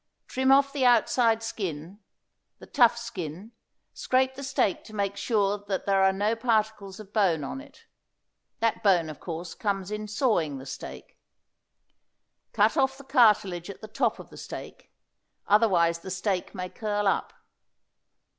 Trim off the outside skin, the tough skin; scrape the steak to make sure that there are no particles of bone on it. That bone, of course, comes in sawing the steak. Cut off the cartilage at the top of the steak, otherwise the steak may curl up.